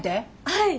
はい。